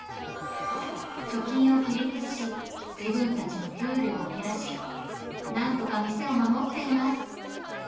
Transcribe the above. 貯金を切り崩し、自分たちの給料を減らし、なんとか店を守っています。